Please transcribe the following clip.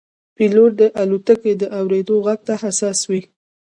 پیلوټ د الوتکې د اورېدو غږ ته حساس وي.